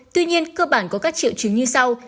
tuy nhiên cơ bản có các triệu chứng như sau